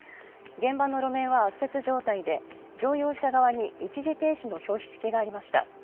現場の路面は圧雪状態で乗用車側に一時停止の標識がありました。